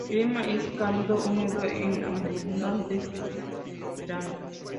El clima es cálido húmedo con abundantes lluvias en verano.